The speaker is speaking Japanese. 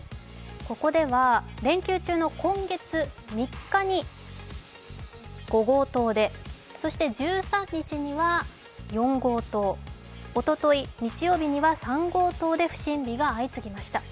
ここでは連休中の今月３日に５号棟で、そして１３日には４号棟、おととい日曜日には３号棟で不審火が相次ぎました。